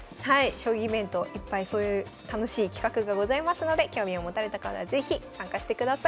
将棋イベントいっぱいそういう楽しい企画がございますので興味を持たれた方は是非参加してください。